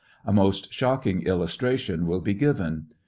A most shocking illustration will be given!